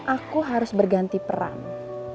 aku harus berganti perang